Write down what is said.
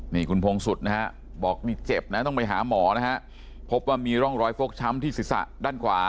นี่คุณพงศุษย์นะฮะบอกนี่เจ็บนะต้องไปหาหมอนะฮะพบว่ามีร่องรอยฟกช้ำที่ศีรษะด้านขวา